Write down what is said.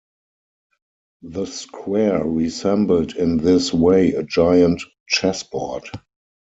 The square resembled in this way a giant chessboard.